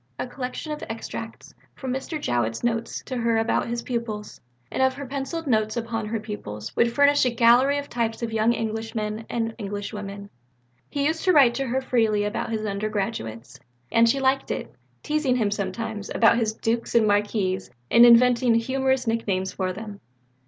A collection of extracts from Mr. Jowett's notes to her about his pupils, and of her pencilled notes upon her pupils, would furnish a gallery of types of young English men and English women. He used to write to her very freely about his undergraduates; and she liked it teasing him sometimes about his dukes and marquises and inventing humorous nicknames for them.